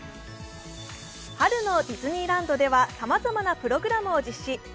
春のディズニーランドではさまざまなプログラムを実施。